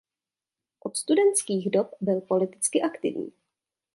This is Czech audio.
Od studentských dob byl politicky aktivní.